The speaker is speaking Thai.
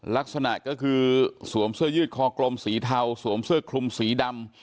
ลักษณะก็คือสวมเสื้อยืดคอกลมสีเทาสวมเสื้อคลุมสีดำ